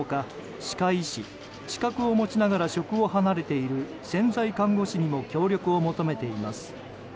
歯科医師資格を持ちながら職を離れている潜在看護師にも協力を求めています。